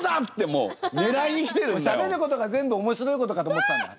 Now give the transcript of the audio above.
もうしゃべることが全部面白いことかと思ってたんだ？